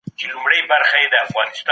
آیا ښځې د حقوقو له کبله ډیر ابتکارونه کوي؟